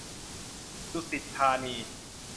ดุสิตธานี